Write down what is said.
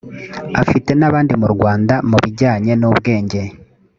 afite n’abandi mu rwanda mu bijyanye n’ubwenge